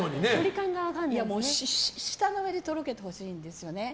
舌の上でとろけてほしいんですよね